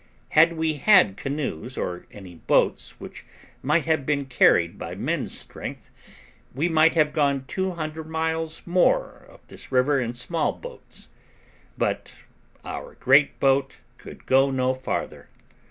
Had we had canoes or any boats which might have been carried by men's strength we might have gone two hundred miles more up this river in small boats, but our great boat could go no farther.